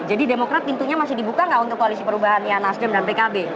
jadi demokrat pintunya masih dibuka nggak untuk koalisi perubahan nia nasdem dan pkb